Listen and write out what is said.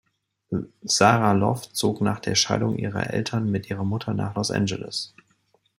Sara Lov zog nach der Scheidung ihrer Eltern mit ihrer Mutter nach Los Angeles.